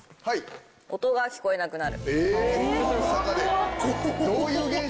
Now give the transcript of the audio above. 「音が聞こえなくなる‼」。